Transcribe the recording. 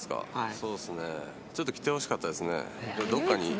そうですね、ちょっと来てほしかったですね。